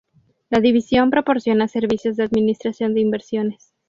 La división proporciona servicios de administración de inversiones.